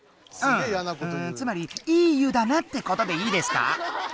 うんつまりいい湯だなってことでいいですか？